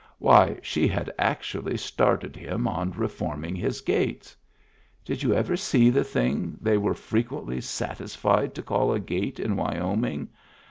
Why, she had actually started him on reforming his gates! Did you ever see the thing they were frequently satisfied to call a gate in Wyoming?